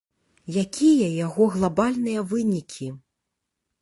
Якія яго глабальныя вынікі?